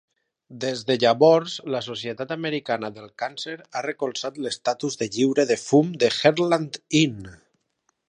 Des de llavors, la Societat Americana de el Càncer ha recolzat l'estatus de lliure de fum de Heartland Inn.